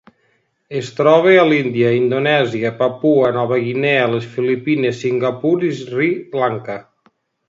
Es troba a l'Índia, Indonèsia, Papua Nova Guinea, les Filipines, Singapur i Sri Lanka.